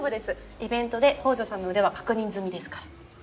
イベントで北條さんの腕は確認済みですから。